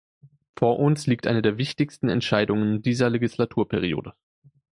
Vor uns liegt eine der wichtigsten Entscheidungen dieser Legislaturperiode.